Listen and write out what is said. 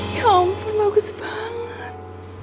ya ampun bagus banget